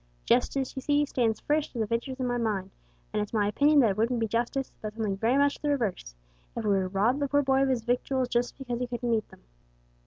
Justice, you see, stands first o' the virtues in my mind, an' it's my opinion that it wouldn't be justice, but something very much the reverse, if we were to rob the poor boy of his victuals just because he couldn't eat them."